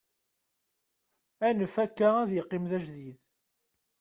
anef akka ad yeqqim d ajdid